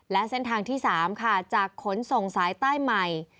และเส้นทางที่๓ค่ะจากขนส่งสายใต้ใหม่